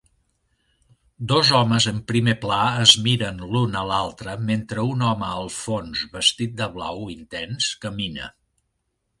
Dos homes en primer pla es miren l'un a l'altre mentre un home al fons vestit de blau intens camina.